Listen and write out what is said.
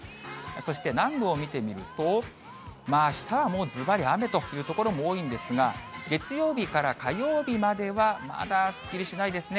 そして、南部を見てみると、あしたはもうずばり、雨という所も多いんですが、月曜日から火曜日までは、まだすっきりしないですね。